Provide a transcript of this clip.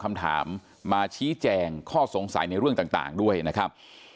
คำถามมาชี้แจงข้อสงสัยในเรื่องต่างด้วยนะครับ